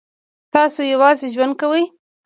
تاسو یوازې ژوند کوئ؟